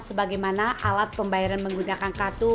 sebagaimana alat pembayaran menggunakan kartu